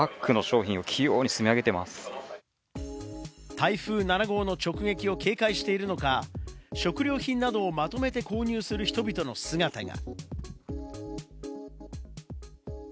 台風７号の直撃を警戒しているのか、食料品などをまとめて購入する人の姿が。